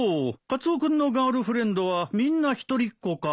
カツオ君のガールフレンドはみんな一人っ子か。